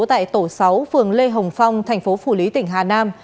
tại tổ sáu phường lê hồng phong thành phố phủ lý tỉnh hà nam